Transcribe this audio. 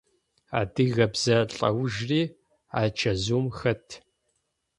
Адыгэ бзэ лӏэужри а чэзыум хэт.